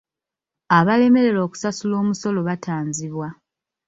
Abalemererwa okusasula omusolo batanzibwa.